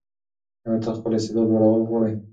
ایا ته خپل استعداد لوړول غواړې؟